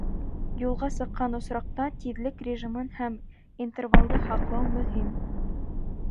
Юлға сыҡҡан осраҡта тиҙлек режимын һәм интервалды һаҡлау мөһим.